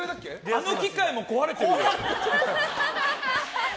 あの機械も壊れてるよ。